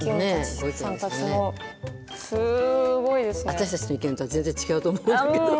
私たちの意見とは全然違うと思うんだけど。